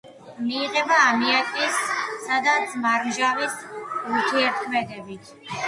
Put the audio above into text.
მიიღება ამიაკისა და ძმარმჟავას ურთიერთქმედებით.